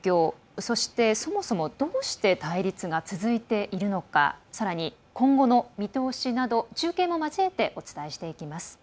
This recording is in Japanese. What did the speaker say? そして、そもそもどうして対立が続いているのかさらに今後の見通しなど中継も交えてお伝えしていきます。